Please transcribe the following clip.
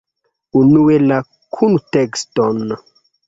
Unue la kuntekston.